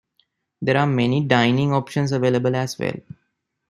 There are many dining options available as well.